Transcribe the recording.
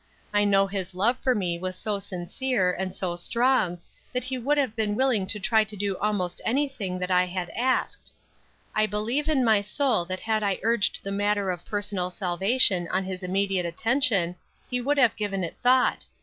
I know his love for me was so sincere, and so strong, that he would have been willing to try to do almost anything that I had asked. I believe in my soul that had I urged the matter of personal salvation on his immediate attention, he would have given it thought.